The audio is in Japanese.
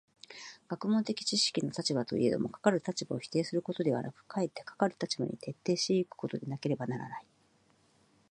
学問的知識の立場といえども、かかる立場を否定することではなく、かえってかかる立場に徹底し行くことでなければならない。